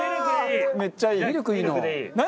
めっちゃいい。何？